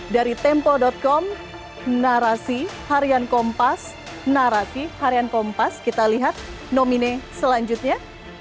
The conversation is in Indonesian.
dari tempo com narasi harian kompas narapi harian kompas kita lihat nomine selanjutnya